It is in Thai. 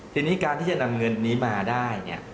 ทีนี้การที่จะนำเงินนี้มาได้เนี่ย